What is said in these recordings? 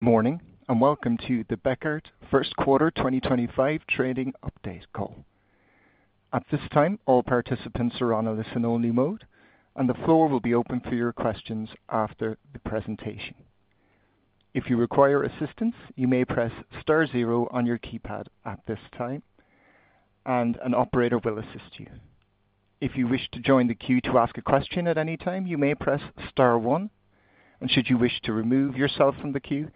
Morning, and welcome to the Bekaert Q1 2025 trading update call. At this time, all participants are on a listen-only mode, and the floor will be open for your questions after the presentation. If you require assistance, you may press *0 on your keypad at this time, and an operator will assist you. If you wish to join the queue to ask a question at any time, you may press *1, and should you wish to remove yourself from the queue,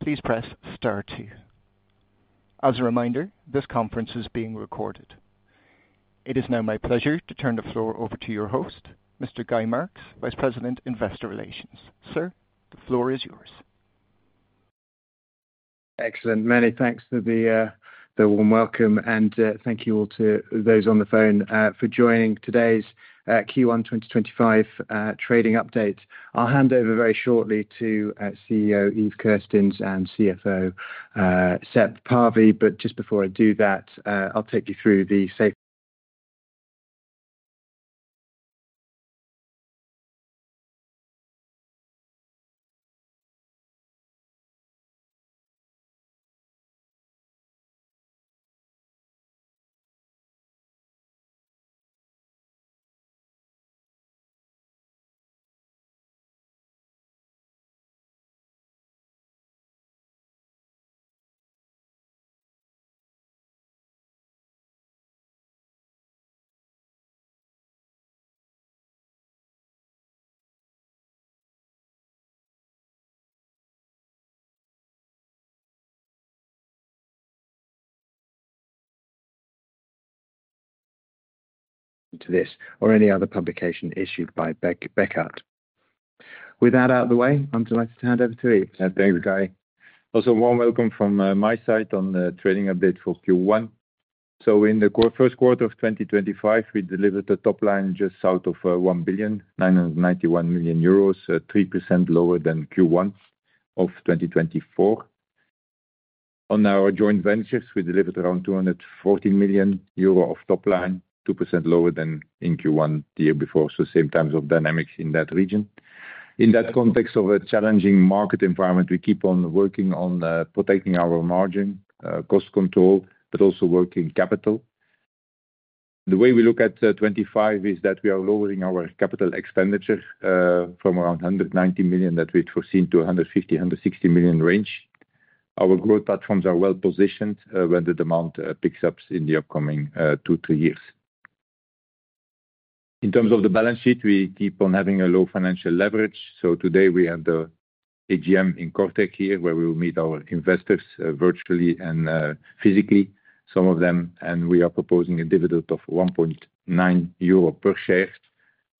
please press *2. As a reminder, this conference is being recorded. It is now my pleasure to turn the floor over to your host, Mr. Guy Marks, Vice President, Investor Relations. Sir, the floor is yours. Excellent. Many thanks for the warm welcome, and thank you all to those on the phone for joining today's Q1 2025 trading update. I'll hand over very shortly to CEO Yves Kerstens and CFO Seppo Parvi, but just before I do that, I'll take you through the safe. To this, or any other publication issued by Bekaert. With that out of the way, I'm delighted to hand over to Yves. Thank you, Guy. Also, a warm welcome from my side on the trading update for Q1. In the Q1 of 2025, we delivered a top line just south of 1,991 million euros, 3% lower than Q1 of 2024. On our joint ventures, we delivered around 240 million euro of top line, 2% lower than in Q1 the year before, so same types of dynamics in that region. In that context of a challenging market environment, we keep on working on protecting our margin, cost control, but also working capital. The way we look at 2025 is that we are lowering our capital expenditure from around 190 million that we had foreseen to a 150-160 million range. Our growth platforms are well positioned when the demand picks up in the upcoming two, three years. In terms of the balance sheet, we keep on having a low financial leverage, so today we have the AGM in Kortrijk here where we will meet our investors, virtually and physically, some of them, and we are proposing a dividend of 1.9 euro per share,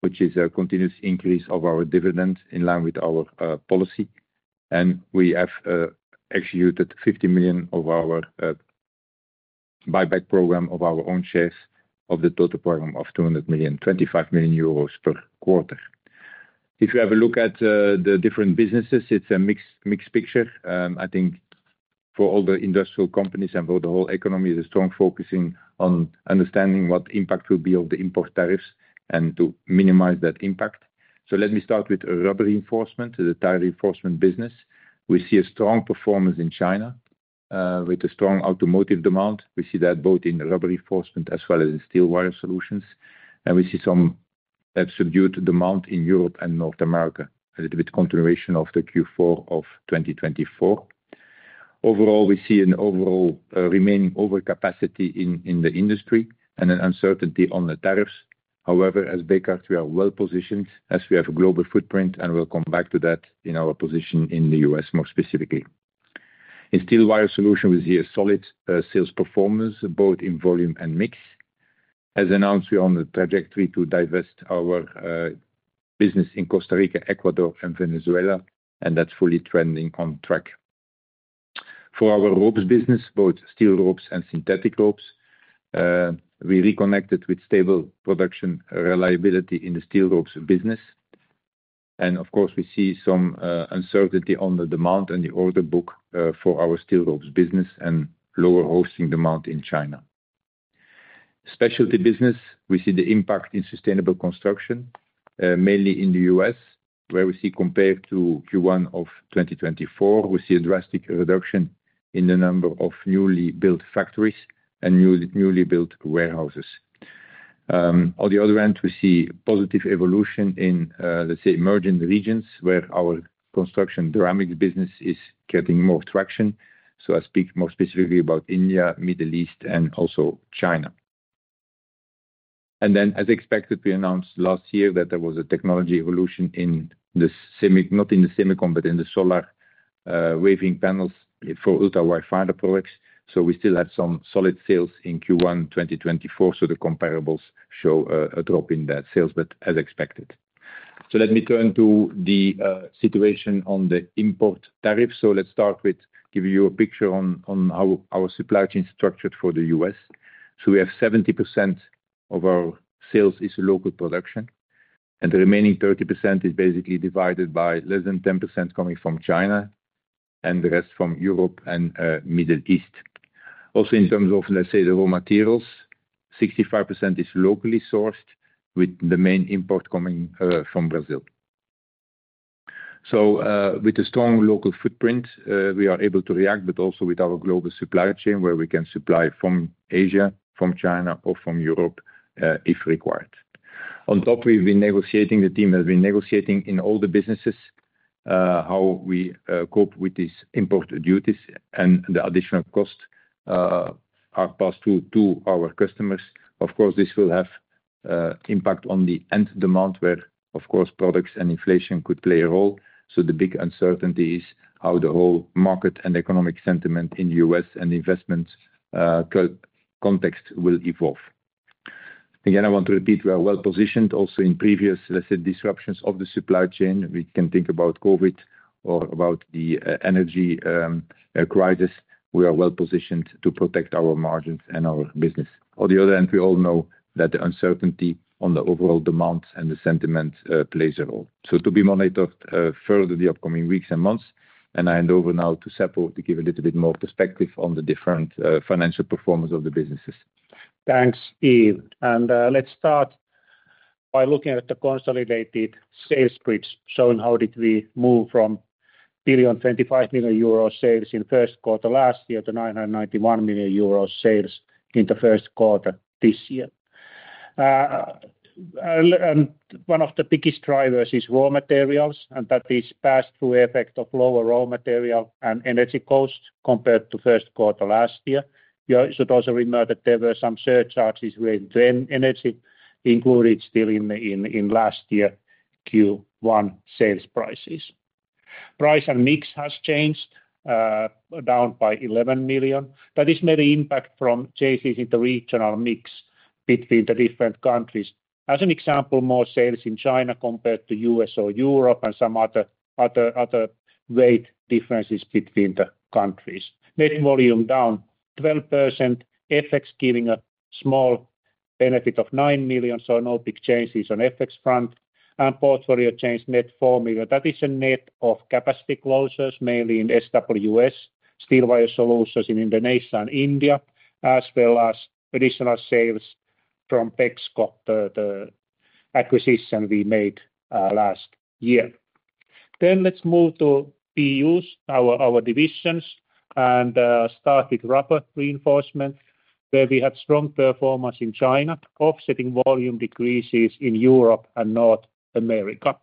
which is a continuous increase of our dividends in line with our policy, and we have executed 50 million of our buyback program of our own shares of the total program of 200 million, 25 million euros per quarter. If you have a look at the different businesses, it's a mixed picture, and I think for all the industrial companies and for the whole economy, the strong focusing on understanding what impact will be of the import tariffs and to minimize that impact. Let me start with rubber reinforcement, the tire reinforcement business. We see a strong performance in China, with a strong automotive demand. We see that both in rubber reinforcement as well as in steel wire solutions, and we see some absolute demand in Europe and North America, a little bit continuation of the Q4 of 2024. Overall, we see an overall, remaining overcapacity in the industry and an uncertainty on the tariffs. However, as Bekaert, we are well positioned as we have a global footprint, and we'll come back to that in our position in the U.S. more specifically. In steel wire solution, we see a solid, sales performance both in volume and mix. As announced, we are on the trajectory to divest our business in Costa Rica, Ecuador, and Venezuela, and that's fully trending on track. For our ropes business, both steel ropes and synthetic ropes, we reconnected with stable production reliability in the steel ropes business, and of course, we see some uncertainty on the demand and the order book for our steel ropes business and lower hoisting demand in China. Specialty business, we see the impact in sustainable construction, mainly in the U.S., where we see compared to Q1 of 2024, we see a drastic reduction in the number of newly built factories and newly built warehouses. On the other hand, we see positive evolution in, let's say, emerging regions where our construction ceramics business is getting more traction, so I speak more specifically about India, Middle East, and also China. As expected, we announced last year that there was a technology evolution in the semi, not in the semiconductor, but in the solar, waving panels for ultra-wide finder products, so we still had some solid sales in Q1 2024, so the comparables show a drop in that sales, but as expected. Let me turn to the situation on the import tariffs. Let's start with giving you a picture on how our supply chain is structured for the U.S. We have 70% of our sales as local production, and the remaining 30% is basically divided by less than 10% coming from China and the rest from Europe and Middle East. Also, in terms of, let's say, the raw materials, 65% is locally sourced with the main import coming from Brazil. With a strong local footprint, we are able to react, but also with our global supply chain where we can supply from Asia, from China, or from Europe, if required. On top, we've been negotiating, the team has been negotiating in all the businesses, how we cope with these import duties and the additional cost are passed to our customers. Of course, this will have impact on the end demand where, of course, products and inflation could play a role, so the big uncertainty is how the whole market and economic sentiment in the U.S. and investment context will evolve. Again, I want to repeat, we are well positioned also in previous, let's say, disruptions of the supply chain. We can think about COVID or about the energy crisis. We are well positioned to protect our margins and our business. On the other hand, we all know that the uncertainty on the overall demand and the sentiment plays a role, so to be monitored further the upcoming weeks and months, and I hand over now to Seppo to give a little bit more perspective on the different financial performance of the businesses. Thanks, Yves, and let's start by looking at the consolidated sales spreads showing how did we move from 1.25 million euro sales in Q1 last year to 991 million euro sales in Q1 this year. One of the biggest drivers is raw materials, and that is pass-through effect of lower raw material and energy cost compared to Q1 last year. You should also remember that there were some surcharges related to energy, included still in last year Q1 sales prices. Price and mix has changed, down by 11 million. That is mainly impact from changes in the regional mix between the different countries. As an example, more sales in China compared to U.S. or Europe and some other weight differences between the countries. Net volume down 12%, FX giving a small benefit of 9 million, so no big changes on FX front, and portfolio changed net 4 million. That is a net of capacity closures, mainly in U.S., steel wire solutions in Indonesia and India, as well as additional sales from Pexco, the acquisition we made last year. Let's move to PUs, our divisions, and start with rubber reinforcement, where we had strong performance in China, offsetting volume decreases in Europe and North America.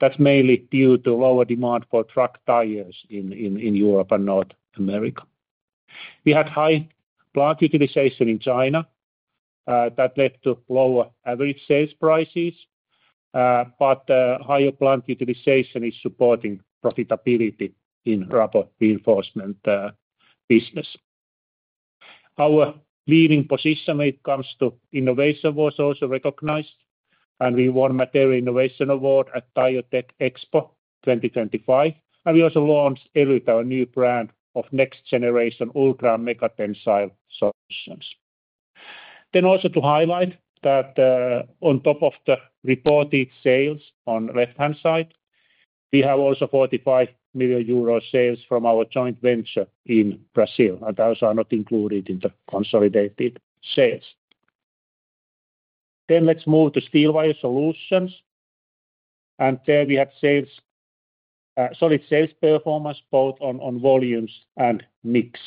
That's mainly due to lower demand for truck tires in Europe and North America. We had high plant utilization in China, that led to lower average sales prices, but higher plant utilization is supporting profitability in rubber reinforcement business. Our leading position when it comes to innovation was also recognized, and we won Material Innovation Award at TireTech Expo 2025, and we also launched our new brand of next-generation ultra-mega tensile solutions. Also to highlight that, on top of the reported sales on the left-hand side, we have also 45 million euros sales from our joint venture in Brazil, and those are not included in the consolidated sales. Let's move to steel wire solutions, and there we had sales, solid sales performance both on volumes and mix.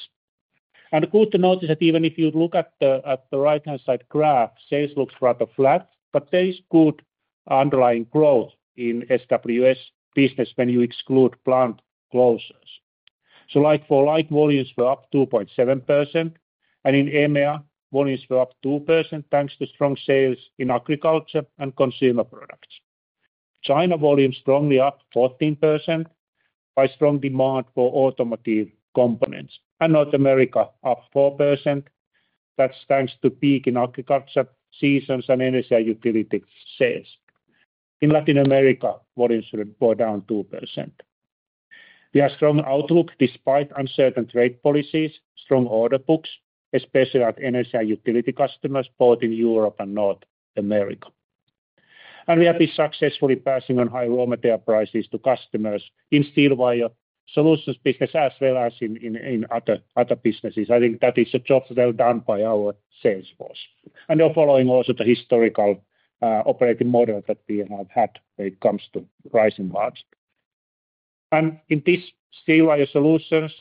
Good to notice that even if you look at the right-hand side graph, sales looks rather flat, but there is good underlying growth in SWS business when you exclude plant closures. Like for light volumes, we're up 2.7%, and in EMEA, volumes were up 2% thanks to strong sales in agriculture and consumer products. China volume strongly up 14% by strong demand for automotive components, and North America up 4%. That is thanks to peak in agriculture seasons and energy utility sales. In Latin America, volumes were down 2%. We have strong outlook despite uncertain trade policies, strong order books, especially at energy utility customers both in Europe and North America. We have been successfully passing on high raw material prices to customers in steel wire solutions business as well as in other businesses. I think that is a job well done by our sales force, and they are following also the historical operating model that we have had when it comes to rising margins. In this steel wire solutions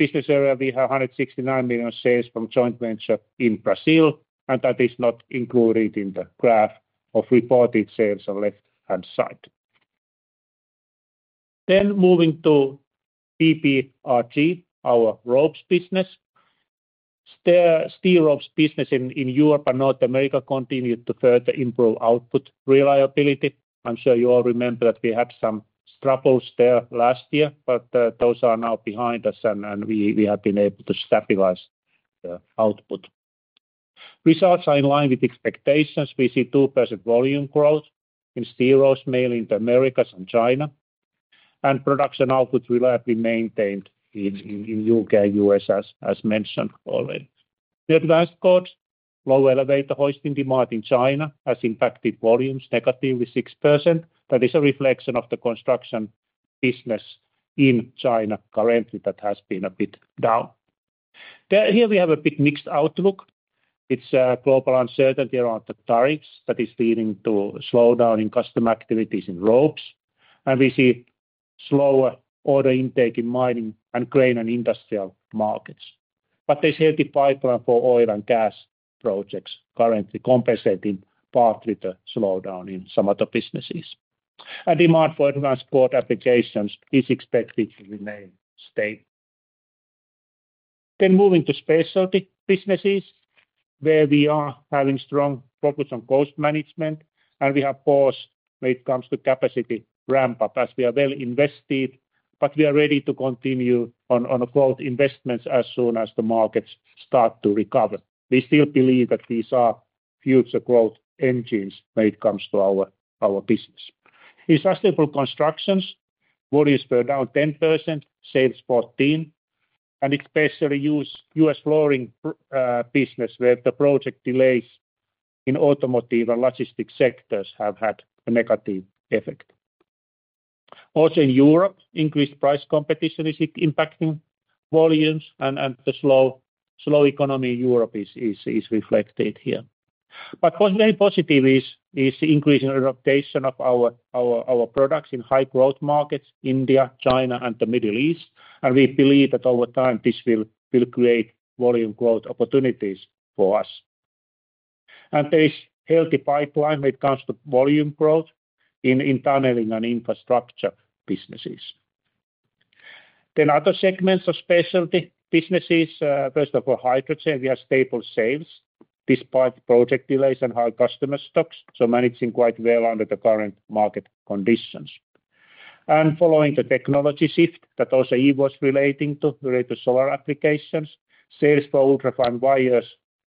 business area, we have 169 million sales from joint venture in Brazil, and that is not included in the graph of reported sales on the left-hand side. Moving to PPRG, our ropes business, steel ropes business in Europe and North America continued to further improve output reliability. I'm sure you all remember that we had some struggles there last year, but those are now behind us, and we have been able to stabilize the output. Results are in line with expectations. We see 2% volume growth in steel ropes, mainly in the Americas and China, and production output reliably maintained in U.K. and U.S., as mentioned already. The advanced cords, low elevator hoisting demand in China has impacted volumes negatively 6%. That is a reflection of the construction business in China currently that has been a bit down. Here we have a bit mixed outlook. It's a global uncertainty around the tariffs that is leading to slowdown in customer activities in ropes, and we see slower order intake in mining and grain and industrial markets. There is a healthy pipeline for oil and gas projects currently compensating partly the slowdown in some other businesses, and demand for advanced cord applications is expected to remain stable. Moving to specialty businesses, where we are having strong focus on cost management, we have paused when it comes to capacity ramp-up as we are well invested, but we are ready to continue on growth investments as soon as the markets start to recover. We still believe that these are future growth engines when it comes to our business. In sustainable constructions, volumes were down 10%, sales 14%, and especially U.S. flooring business, where the project delays in automotive and logistics sectors have had a negative effect. Also in Europe, increased price competition is impacting volumes, and the slow economy in Europe is reflected here. What is very positive is the increasing adaptation of our products in high growth markets, India, China, and the Middle East, and we believe that over time this will create volume growth opportunities for us. There is a healthy pipeline when it comes to volume growth in tunneling and infrastructure businesses. Other segments of specialty businesses, first of all hydrogen, we have stable sales despite project delays and high customer stocks, so managing quite well under the current market conditions. Following the technology shift that also Yves was relating to related to solar applications, sales for ultra-fine wires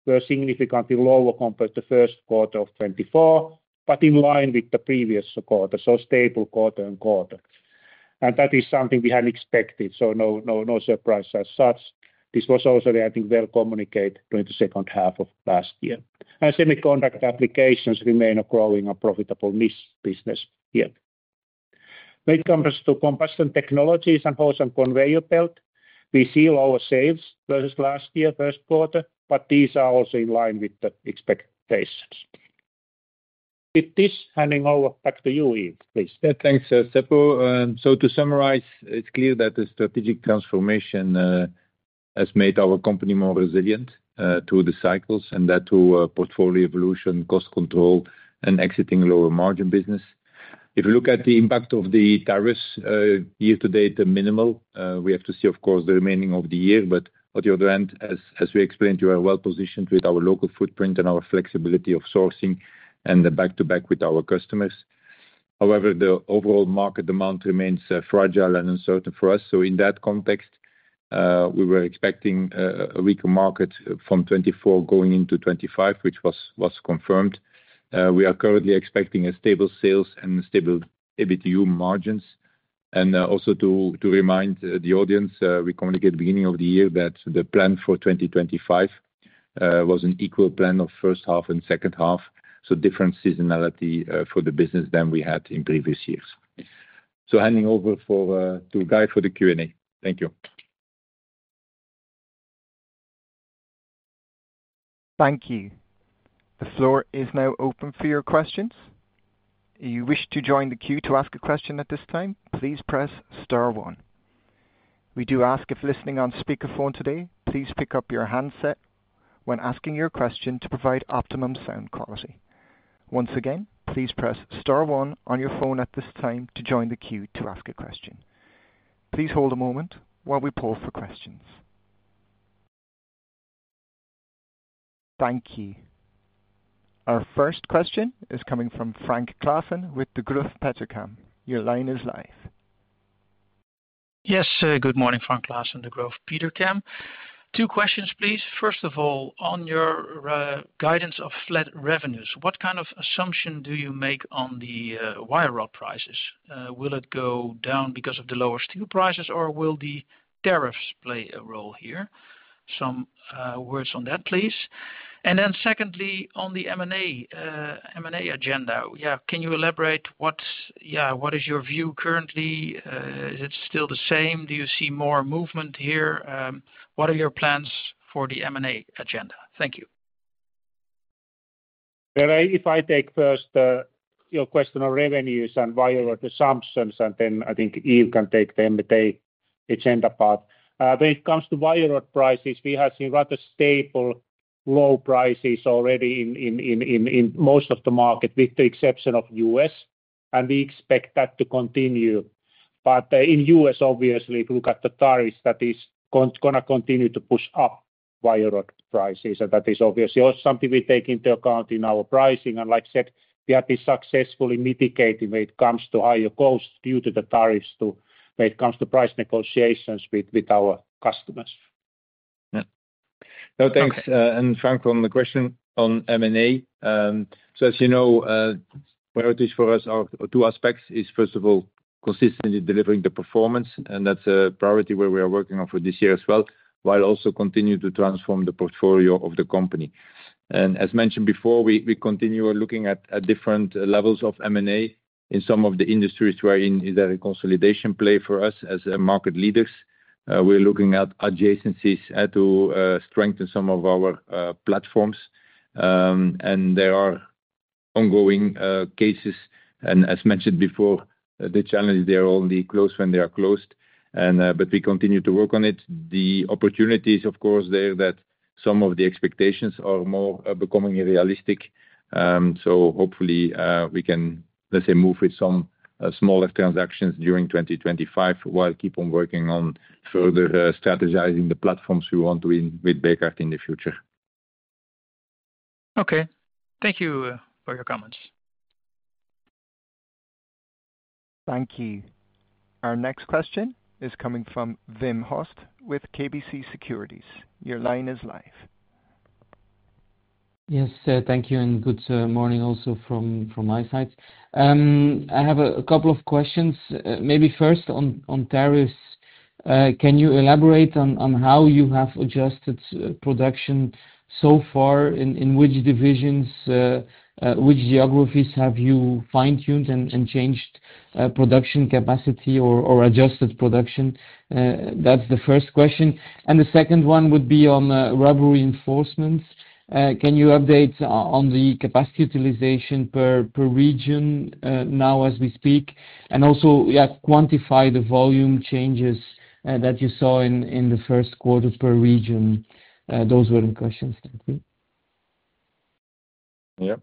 were significantly lower compared to Q1 of 2024, but in line with the previous quarter, so stable quarter on quarter, and that is something we had expected, so no surprise as such. This was also I think well communicated during the second half of last year, and semiconductor applications remain a growing and profitable mix business here. When it comes to combustion technologies and horse and conveyor belt, we see lower sales versus last year Q1, but these are also in line with the expectations. With this, handing over back to you, Yves, please. Yeah, thanks, Seppo. To summarize, it's clear that the strategic transformation has made our company more resilient through the cycles and that through portfolio evolution, cost control, and exiting lower margin business. If you look at the impact of the tariffs year to date, they're minimal. We have to see, of course, the remaining of the year, but on the other hand, as we explained, we are well positioned with our local footprint and our flexibility of sourcing and the back-to-back with our customers. However, the overall market demand remains fragile and uncertain for us, so in that context, we were expecting a weaker market from 2024 going into 2025, which was confirmed. We are currently expecting a stable sales and stable EBITu margins, and also to remind the audience, we communicated at the beginning of the year that the plan for 2025 was an equal plan of first half and second half, so different seasonality for the business than we had in previous years. Handing over to Guy for the Q&A. Thank you. Thank you. The floor is now open for your questions. If you wish to join the queue to ask a question at this time, please press star one. We do ask if listening on speakerphone today, please pick up your handset when asking your question to provide optimum sound quality. Once again, please press star one on your phone at this time to join the queue to ask a question. Please hold a moment while we poll for questions. Thank you. Our first question is coming from Frank Claassen with Degroof Petercam. Your line is live. Yes, good morning, Frank Claassen of Degroof Petercam. Two questions, please. First of all, on your guidance of flat revenues, what kind of assumption do you make on the wire rod prices? Will it go down because of the lower steel prices, or will the tariffs play a role here? Some words on that, please. And then secondly, on the M&A, M&A agenda, yeah, can you elaborate what, yeah, what is your view currently? Is it still the same? Do you see more movement here? What are your plans for the M&A agenda? Thank you. If I take first, your question on revenues and wire rod assumptions, and then I think Yves can take the M&A agenda part. When it comes to wire rod prices, we have seen rather stable low prices already in most of the market, with the exception of the U.S., and we expect that to continue. In the U.S., obviously, if you look at the tariffs, that is going to continue to push up wire rod prices, and that is obviously also something we take into account in our pricing, and like I said, we have been successfully mitigating when it comes to higher costs due to the tariffs when it comes to price negotiations with our customers. Yeah. No, thanks. And Franco on the question on M&A. As you know, priorities for us are two aspects: first of all, consistently delivering the performance, and that's a priority where we are working on for this year as well, while also continuing to transform the portfolio of the company. As mentioned before, we continue looking at different levels of M&A in some of the industries wherein there is a consolidation play for us as market leaders. We're looking at adjacencies to strengthen some of our platforms. There are ongoing cases, and as mentioned before, the challenges, they are only closed when they are closed, but we continue to work on it. The opportunities, of course, are there that some of the expectations are more becoming realistic. Hopefully, we can, let's say, move with some smaller transactions during 2025 while keep on working on further strategizing the platforms we want to win with Bekaert in the future. Okay. Thank you for your comments. Thank you. Our next question is coming from Wim Horst with KBC Securities. Your line is live. Yes, thank you, and good morning also from my side. I have a couple of questions. Maybe first on tariffs. Can you elaborate on how you have adjusted production so far, in which divisions, which geographies have you fine-tuned and changed production capacity or adjusted production? That is the first question. The second one would be on rubber reinforcements. Can you update on the capacity utilization per region, now as we speak, and also, yeah, quantify the volume changes that you saw in the first quarter per region? Those were the questions. Thank you. Yeah.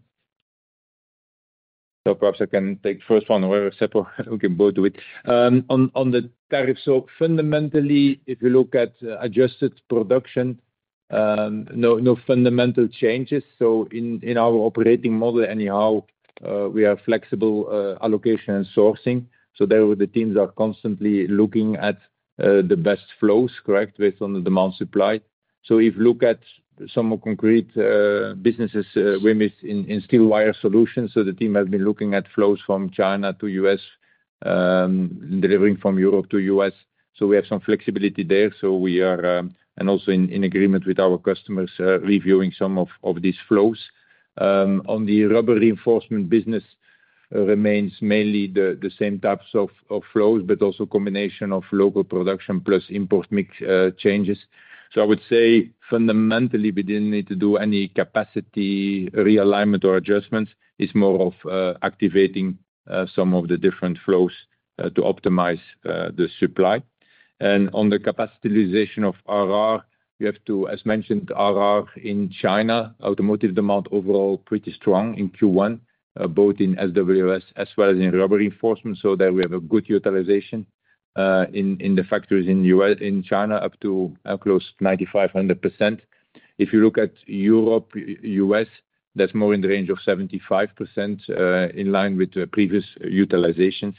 Perhaps I can take the first one away, Seppo, and we can both do it. On the tariffs, fundamentally, if you look at adjusted production, no fundamental changes. In our operating model anyhow, we have flexible allocation and sourcing, so the teams are constantly looking at the best flows, correct, based on the demand supply. If you look at some more concrete businesses, we miss in steel wire solutions, so the team has been looking at flows from China to U.S., delivering from Europe to U.S. We have some flexibility there, and also in agreement with our customers, reviewing some of these flows. On the rubber reinforcement business, remains mainly the same types of flows, but also a combination of local production plus import mix changes. I would say fundamentally we didn't need to do any capacity realignment or adjustments. It's more of activating some of the different flows to optimize the supply. And on the capacity utilization of RR, we have to, as mentioned, RR in China, automotive demand overall pretty strong in Q1, both in SWS as well as in rubber reinforcement, so there we have a good utilization, in the factories in the U.S. and China up to close to 95-100%. If you look at Europe, U.S., that's more in the range of 75%, in line with the previous utilizations.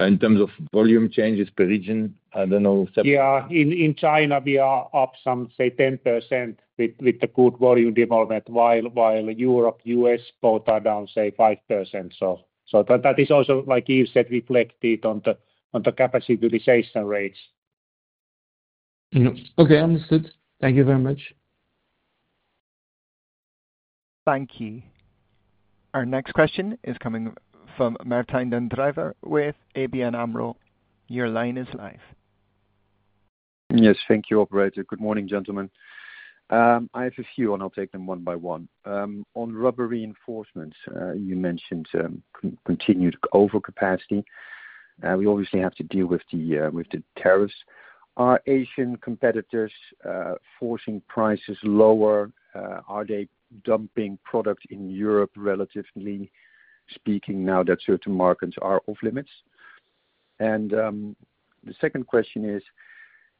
In terms of volume changes per region, I don't know, Seppo. Yeah, in China, we are up some, say, 10% with the good volume development, while Europe, U.S. both are down, say, 5%. That is also, like Yves said, reflected on the capacity utilization rates. Yeah, okay, understood. Thank you very much. Thank you. Our next question is coming from Martijn Den Drijver with ABN AMRO. Your line is live. Yes, thank you, operator. Good morning, gentlemen. I have a few, and I'll take them one by one. On rubber reinforcements, you mentioned continued overcapacity. We obviously have to deal with the tariffs. Are Asian competitors forcing prices lower? Are they dumping product in Europe, relatively speaking, now that certain markets are off-limits? The second question is,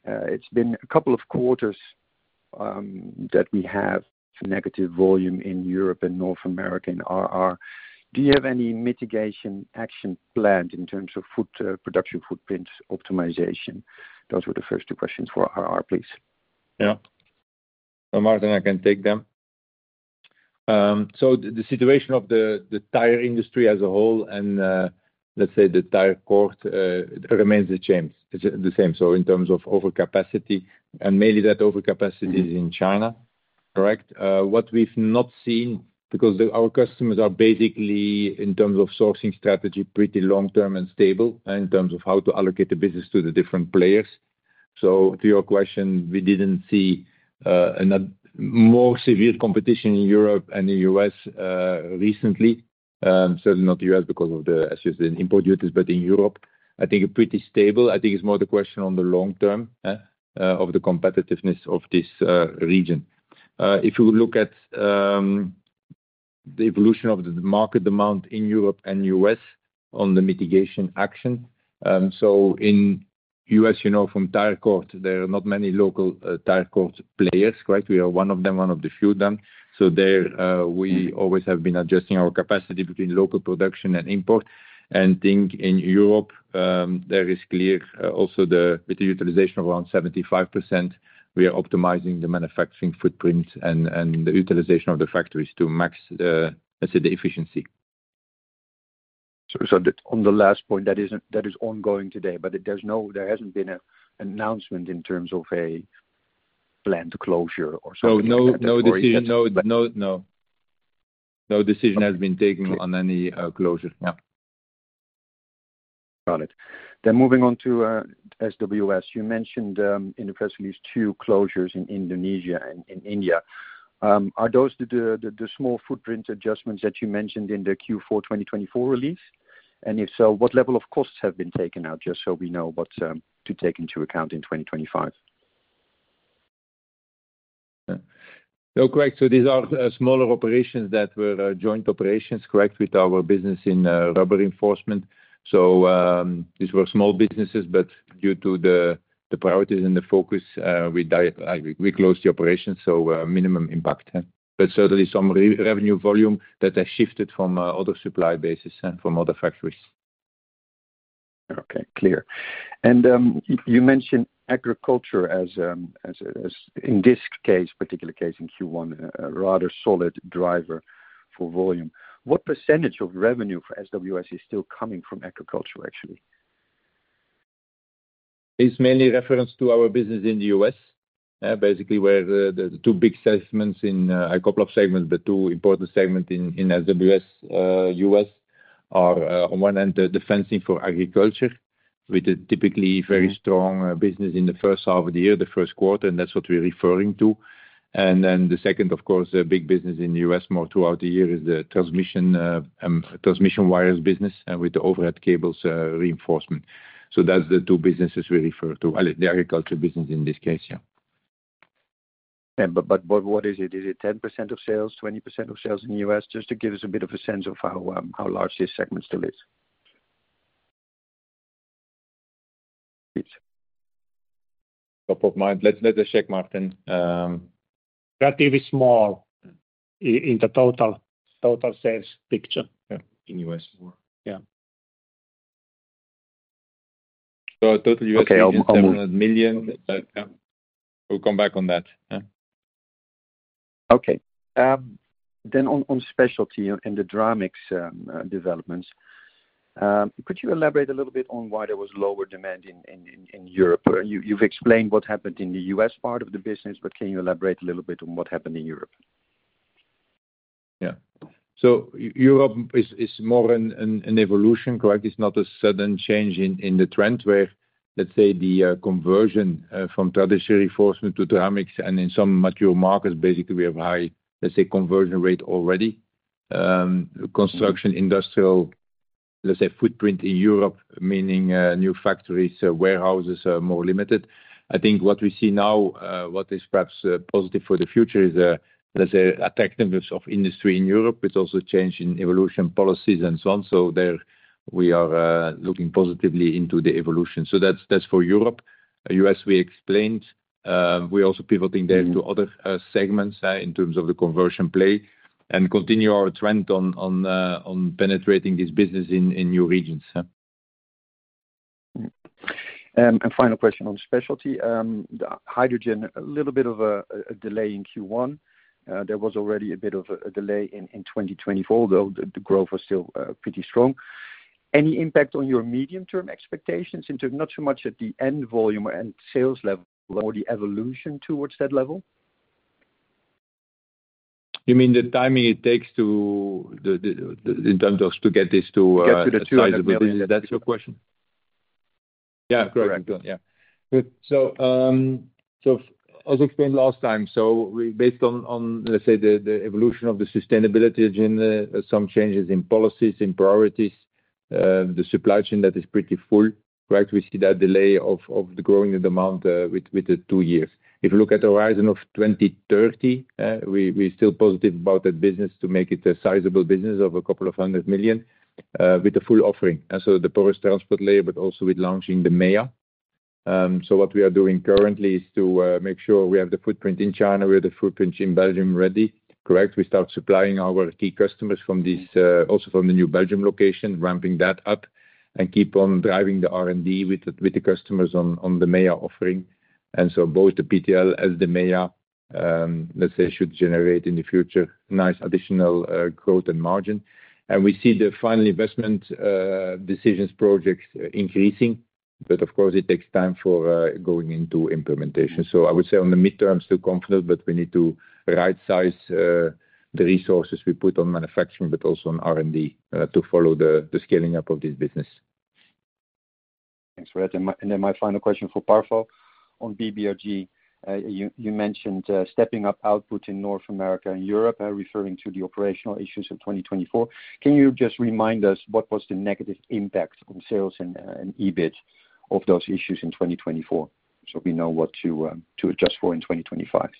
it's been a couple of quarters that we have negative volume in Europe and North America in RR. Do you have any mitigation action planned in terms of production footprint optimization? Those were the first two questions for RR, please. Yeah. So Martijn, I can take them. The situation of the tire industry as a whole and, let's say, the tire cord, remains the same, the same, so in terms of overcapacity, and mainly that overcapacity is in China, correct? What we've not seen, because our customers are basically, in terms of sourcing strategy, pretty long-term and stable in terms of how to allocate the business to the different players. To your question, we didn't see a more severe competition in Europe and the U.S. recently. Certainly not the U.S. because of the, as you said, import duties, but in Europe, I think pretty stable. I think it's more the question on the long term, of the competitiveness of this region. If you look at the evolution of the market demand in Europe and U.S. on the mitigation action, in the U.S., you know, from tire cord, there are not many local tire cord players, correct? We are one of them, one of the few done. There, we always have been adjusting our capacity between local production and import. I think in Europe, there is clear also with the utilization of around 75%, we are optimizing the manufacturing footprint and the utilization of the factories to max, let's say, the efficiency. On the last point, that is ongoing today, but there has not been an announcement in terms of a planned closure or something. No, no decision has been taken on any closure, yeah. Got it. Moving on to SWS, you mentioned in the first release two closures in Indonesia and in India. Are those the small footprint adjustments that you mentioned in the Q4 2024 release? If so, what level of costs have been taken out, just so we know what to take into account in 2025? Yeah, correct. These are smaller operations that were joint operations, correct, with our business in rubber reinforcement. These were small businesses, but due to the priorities and the focus, we closed the operations, so minimum impact, but certainly some revenue volume that has shifted from other supply bases and from other factories. Okay, clear. You mentioned agriculture as, as in this case, particular case in Q1, a rather solid driver for volume. What percentage of revenue for SWS is still coming from agriculture, actually? It's mainly reference to our business in the U.S., basically where the two big segments in a couple of segments, but two important segments in SWS, U.S. are on one end the defensive for agriculture with a typically very strong business in the first half of the year, the first quarter, and that's what we're referring to. The second, of course, the big business in the U.S. more throughout the year is the transmission, transmission wires business with the overhead cables, reinforcement. That's the two businesses we refer to, the agriculture business in this case, yeah. What is it? Is it 10% of sales, 20% of sales in the U.S.? Just to give us a bit of a sense of how large this segment still is. Top of mind, let's just check, Martijn. Relatively small in the total total sales picture. Yeah, in U.S. more. Yeah. Total US is $100 million, but yeah, we'll come back on that. Okay. On specialty and the Dramix developments, could you elaborate a little bit on why there was lower demand in Europe? You've explained what happened in the U.S. part of the business, but can you elaborate a little bit on what happened in Europe? Yeah. Europe is more an evolution, correct? It's not a sudden change in the trend where, let's say, the conversion from traditional reinforcement to Dramix and in some mature markets, basically we have high, let's say, conversion rate already. Construction industrial, let's say, footprint in Europe, meaning new factories, warehouses are more limited. I think what we see now, what is perhaps positive for the future is, let's say, attractiveness of industry in Europe with also change in evolution policies and so on. There we are looking positively into the evolution. That's for Europe. U.S. we explained. We're also pivoting there to other segments in terms of the conversion play and continue our trend on penetrating this business in new regions. Final question on specialty, the hydrogen, a little bit of a delay in Q1. There was already a bit of a delay in 2024, though the growth was still pretty strong. Any impact on your medium-term expectations into not so much at the end volume and sales level or the evolution towards that level? You mean the timing it takes in terms of to get this to. Get to the 200 million, that's your question. Yeah, correct. Yeah. Good. As I explained last time, we, based on, let's say, the evolution of the sustainability agenda, some changes in policies, in priorities, the supply chain that is pretty full, correct? We see that delay of the growing demand with the two years. If you look at the horizon of 2030, we're still positive about that business to make it a sizable business of a couple of hundred million, with the full offering. The porous transport layer, but also with launching the MEA. What we are doing currently is to make sure we have the footprint in China, we have the footprint in Belgium ready, correct? We start supplying our key customers from this, also from the new Belgium location, ramping that up and keep on driving the R&D with the customers on the MEA offering. Both the PTL and the MEA, let's say, should generate in the future nice additional growth and margin. We see the final investment decisions, projects increasing, but of course it takes time for going into implementation. I would say on the midterm, still confident, but we need to right-size the resources we put on manufacturing, but also on R&D to follow the scaling up of this business. Thanks for that. My final question for Parfa on BBRG. You mentioned stepping up output in North America and Europe, referring to the operational issues of 2024. Can you just remind us what was the negative impact on sales and EBIT of those issues in 2024? We know what to adjust for in 2025.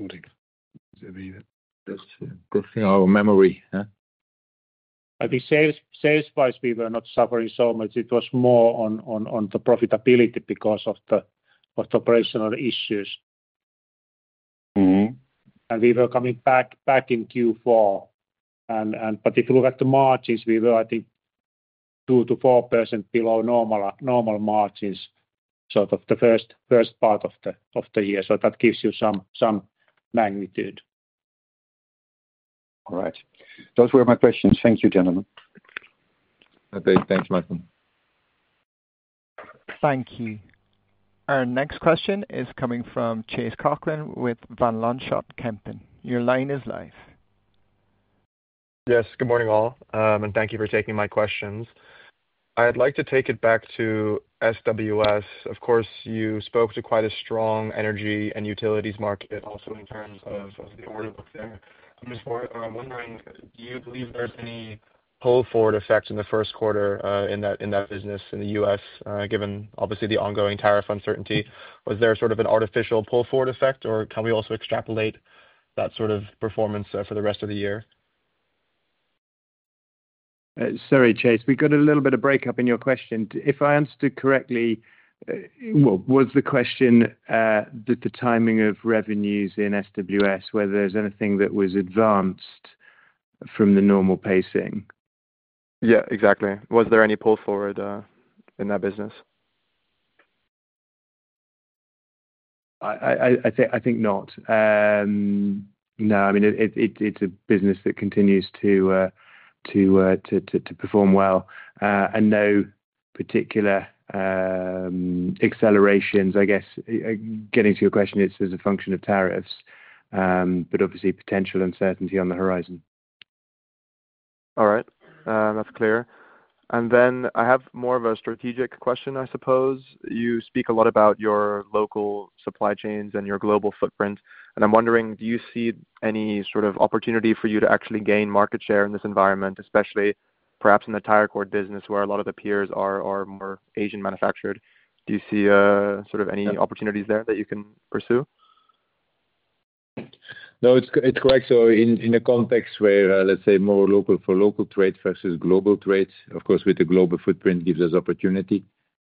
Good thing our memory. We say satisfies people are not suffering so much. It was more on the profitability because of the operational issues. Mm-hmm. We were coming back in Q4. If you look at the margins, we were, I think, 2-4% below normal margins for the first part of the year. That gives you some magnitude. All right. Those were my questions. Thank you, gentlemen. Thanks, Martijn. Thank you. Our next question is coming from Chase Coughlan with Van Lanschot Kempen. Your line is live. Yes, good morning all, and thank you for taking my questions. I'd like to take it back to SWS. Of course, you spoke to quite a strong energy and utilities market also in terms of the order book there. I'm just wondering, do you believe there's any pull forward effect in the first quarter, in that business in the US, given obviously the ongoing tariff uncertainty? Was there sort of an artificial pull forward effect, or can we also extrapolate that sort of performance for the rest of the year? Sorry, Chase, we got a little bit of breakup in your question. If I understood correctly, what was the question, the timing of revenues in SWS, whether there's anything that was advanced from the normal pacing? Yeah, exactly. Was there any pull forward in that business? I think not. No, I mean, it's a business that continues to perform well, and no particular accelerations. I guess, getting to your question, it's as a function of tariffs, but obviously potential uncertainty on the horizon. All right. That's clear. I have more of a strategic question, I suppose. You speak a lot about your local supply chains and your global footprint. I'm wondering, do you see any sort of opportunity for you to actually gain market share in this environment, especially perhaps in the tire cord business where a lot of the peers are more Asian manufactured? Do you see any opportunities there that you can pursue? No, it's correct. In the context where, let's say, more local-for-local trade versus global trade, of course, with the global footprint gives us opportunity.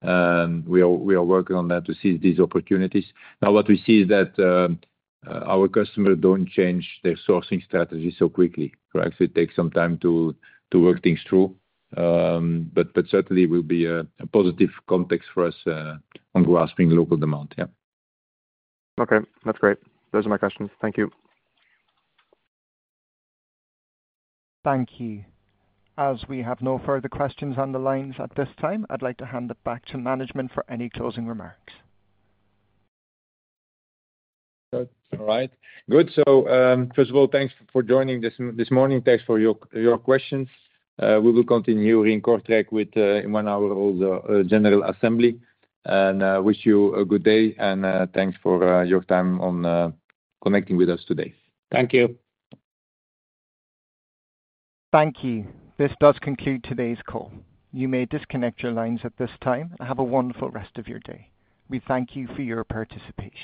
We are working on that to seize these opportunities. Now, what we see is that our customers don't change their sourcing strategy so quickly, correct? It takes some time to work things through. Certainly, it will be a positive context for us, on grasping local demand, yeah. Okay, that's great. Those are my questions. Thank you. Thank you. As we have no further questions on the lines at this time, I'd like to hand it back to management for any closing remarks. All right. Good. First of all, thanks for joining this morning. Thanks for your questions. We will continue in Kortrijk with, in one hour, the general assembly. Wish you a good day and thanks for your time on connecting with us today. Thank you. Thank you. This does conclude today's call. You may disconnect your lines at this time and have a wonderful rest of your day. We thank you for your participation.